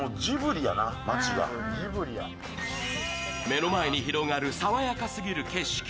目の前に広がる爽やかすぎる景色。